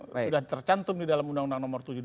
sudah tercantum di dalam undang undang nomor tujuh